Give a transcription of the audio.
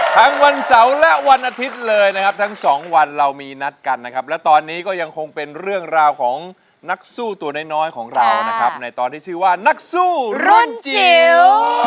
วันเสาร์และวันอาทิตย์เลยนะครับทั้งสองวันเรามีนัดกันนะครับและตอนนี้ก็ยังคงเป็นเรื่องราวของนักสู้ตัวน้อยของเรานะครับในตอนที่ชื่อว่านักสู้รุ่นจิ๋ว